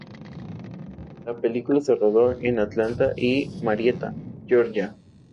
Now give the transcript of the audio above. La película se rodó en Atlanta y Marietta, Georgia.